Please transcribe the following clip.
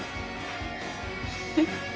えっ？